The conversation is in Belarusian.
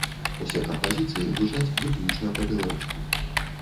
Усе кампазіцыі гучаць выключна па-беларуску.